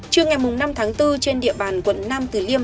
trước ngày năm tháng bốn trên địa bàn quận năm tp hcm